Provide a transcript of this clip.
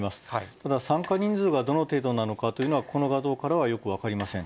ただ、参加人数がどの程度なのかというのは、この画像からはよく分かりません。